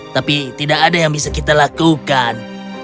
tapi tidak ada yang bisa kita lakukan